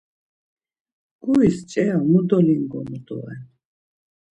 Guris ç̌eya mu dolingonu doren?